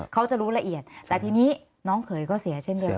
เขาจะรู้ละเอียดแต่ทีนี้น้องเขยก็เสียเช่นเดียวกัน